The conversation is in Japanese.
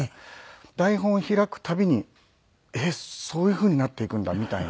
台本を開く度にえっそういうふうになっていくんだみたいな。